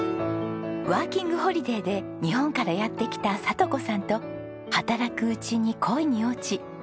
ワーキングホリデーで日本からやって来た聡子さんと働くうちに恋に落ち。